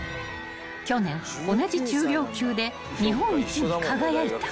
［去年同じ中量級で日本一に輝いた］